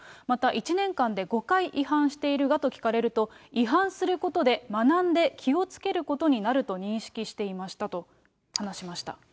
また１年間で５回違反しているがと聞かれると、違反することで学んで、気をつけることになると認識していましたと話しました。